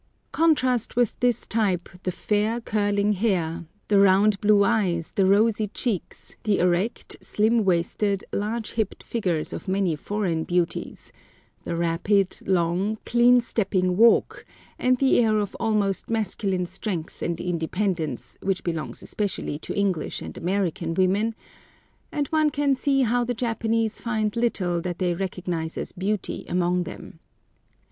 Contrast with this type the fair, curling hair, the round blue eyes, the rosy cheeks, the erect, slim waisted, large hipped figures of many foreign beauties, the rapid, long, clean stepping walk, and the air of almost masculine strength and independence, which belongs especially to English and American women, and one can see how the Japanese find little that they recognize as beauty among them.